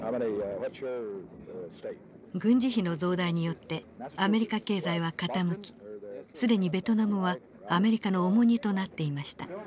軍事費の増大によってアメリカ経済は傾き既にベトナムはアメリカの重荷となっていました。